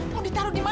mau ditaruh dimana